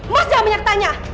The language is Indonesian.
mas jangan banyak tanya